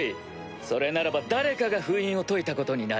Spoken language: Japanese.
それならば誰かが封印を解いたことになる。